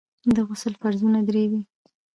د غسل فرضونه درې دي.